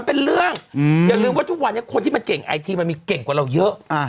เป็นเรื่องอย่าลืมว่าทุกวันนี้คนที่มันเก่งไอทีมันมีเก่งกว่าเราเยอะ